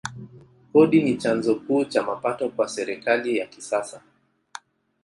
Kodi ni chanzo kuu cha mapato kwa serikali ya kisasa.